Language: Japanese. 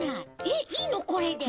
えっいいのこれで？